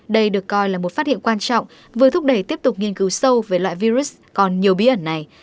đây được coi là một phát hiện quan trọng vừa thúc đẩy tiếp tục nghiên cứu sâu về loại virus còn nhiều bí ẩn này